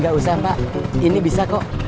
gak usah mbak ini bisa kok